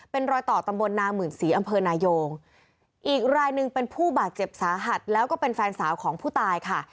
เป็นรอยต่อตำบลนาหมื่นศรีอำเภอนายงอีกรายหนึ่งเป็นผู้บาดเจ็บสาหัสแล้วก็เป็นแฟนสาวของผู้ตายค่ะ